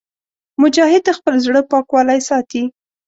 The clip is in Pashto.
مجاهد د خپل زړه پاکوالی ساتي.